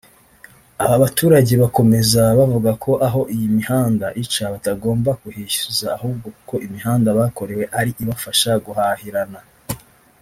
Aba baturage bakomeza bavuga ko aho iyi mihanda ica batogomba kuhishyuza ahubwo kuko imihanda bakorewe ari ibafasha guhahirana